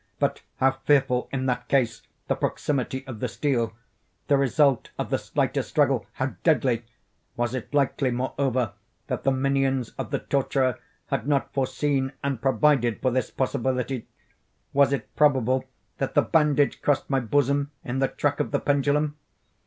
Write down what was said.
But how fearful, in that case, the proximity of the steel! The result of the slightest struggle how deadly! Was it likely, moreover, that the minions of the torturer had not foreseen and provided for this possibility? Was it probable that the bandage crossed my bosom in the track of the pendulum?